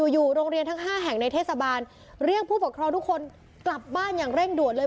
อยู่โรงเรียนทั้ง๕แห่งในเทศบาลเรียกผู้ปกครองทุกคนกลับบ้านอย่างเร่งด่วนเลย